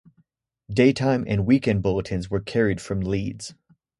Daytime and weekend bulletins were carried from Leeds.